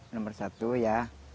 nomor satu ya